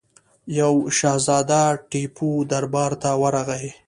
یوه شهزاده ټیپو دربار ته ورغی.